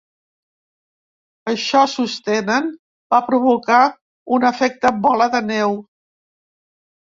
Això, sostenen, va provocar un efecte bola de neu.